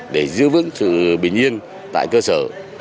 để giữ vững sự bình yên tại cơ sở